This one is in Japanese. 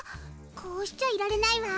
こうしちゃいられないわ。